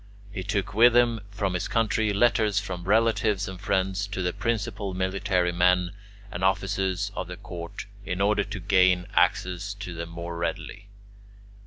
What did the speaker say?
He took with him from his country letters from relatives and friends to the principal military men and officers of the court, in order to gain access to them more readily.